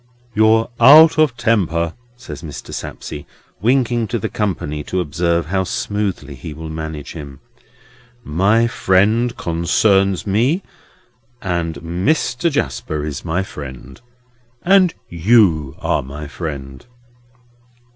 "You're out of temper," says Mr. Sapsea, winking to the company to observe how smoothly he will manage him. "My friend concerns me, and Mr. Jasper is my friend. And you are my friend."